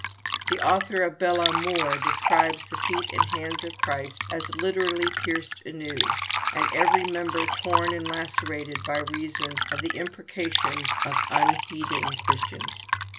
The author of 'Bel Amour' describes the feet and hands of Christ as literally pierced anew, and every member torn and lacerated by reason of the imprecations of unheeding Christians.